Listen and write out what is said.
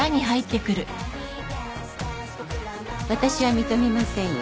私は認めませんよ。